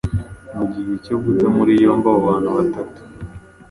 mu gihe cyo guta muri yombi abo bantu batatu